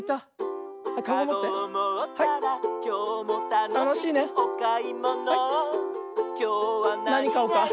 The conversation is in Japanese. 「かごをもったらきょうもたのしくおかいもの」「きょうはなにがやすいかしら」